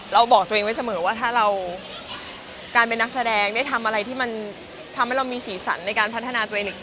บอกตัวเองไว้เสมอว่าถ้าเราการเป็นนักแสดงได้ทำอะไรที่มันทำให้เรามีสีสันในการพัฒนาตัวเองอีก